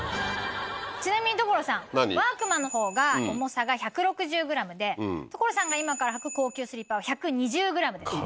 ちなみに所さん「ワークマン」の方が重さが１６０ｇで所さんが今から履く高級スリッパは１２０ｇです。